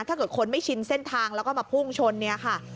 ถ้าเกิดคนไม่ชินเส้นทางแล้วก็มาพุ่งชนเนี่ยค่ะ